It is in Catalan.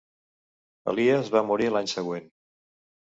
Elies va morir l'any següent.